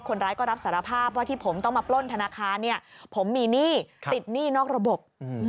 คนร้ายก็รับสารภาพว่าที่ผมต้องมาปล้นธนาคารเนี่ยผมมีหนี้ติดหนี้นอกระบบ